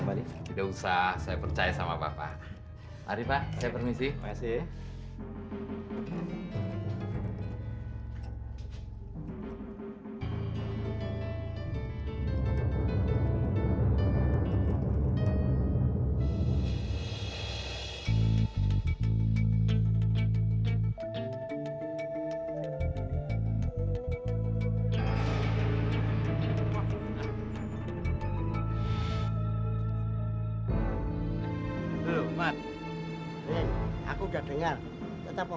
adek terang terang dulu